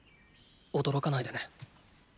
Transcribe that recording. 驚かないでね。